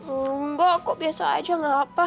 enggak kok biasa aja gak apa